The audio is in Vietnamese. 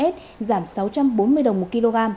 dầu hỏa giảm năm trăm năm mươi sáu đồng một lit